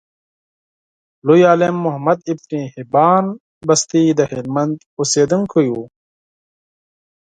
لوی عالم محمد ابن حبان بستي دهلمند اوسیدونکی و.